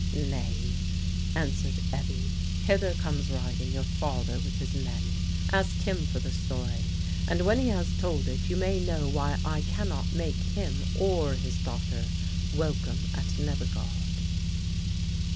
"Nay," answered Ebbe, "hither comes riding your father with his men. Ask him for the story, and when he has told it you may know why I cannot make him or his daughter welcome at Nebbegaard."